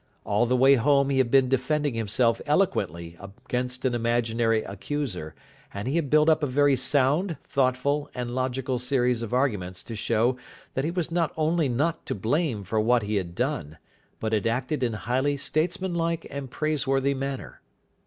All the way home he had been defending himself eloquently against an imaginary accuser; and he had built up a very sound, thoughtful, and logical series of arguments to show that he was not only not to blame for what he had done, but had acted in highly statesmanlike and praiseworthy manner.